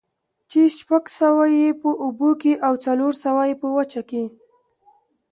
چې شپږ سوه ئې په اوبو كي او څلور سوه ئې په وچه كي